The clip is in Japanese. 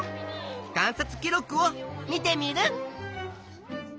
観察記録を見テミルン！